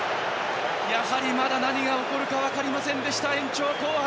やはりまだ何が起こるか分かりませんでした延長後半！